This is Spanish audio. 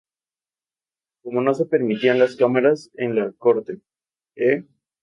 Como no se permitían las cámaras en la corte, E!